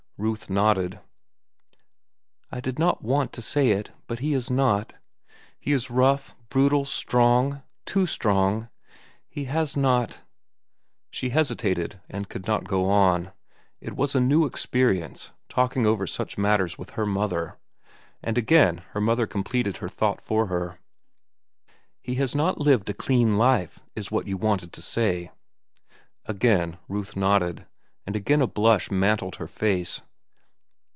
Ruth nodded. "I did not want to say it, but he is not. He is rough, brutal, strong—too strong. He has not—" She hesitated and could not go on. It was a new experience, talking over such matters with her mother. And again her mother completed her thought for her. "He has not lived a clean life, is what you wanted to say." Again Ruth nodded, and again a blush mantled her face.